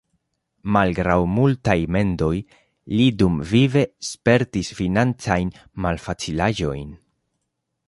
Malgraŭ multaj mendoj li dumvive spertis financajn malfacilaĵojn.